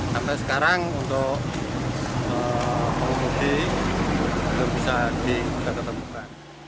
sampai sekarang untuk pengemudi belum bisa ditemukan